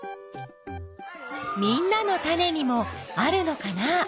みんなのタネにもあるのかな？